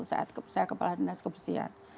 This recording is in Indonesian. saya kepala dinas kebersihan